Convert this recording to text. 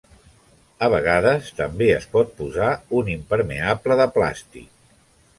A vegades també es pot posar un impermeable de plàstic.